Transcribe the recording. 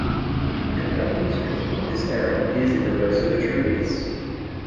An early description of this error appears in the works of Vitruvius.